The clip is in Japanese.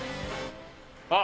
あっ。